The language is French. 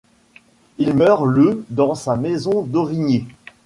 Il meurt le dans sa maison d'Aurigny.